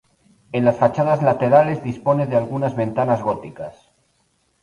En las fachadas laterales dispone de algunas ventanas góticas.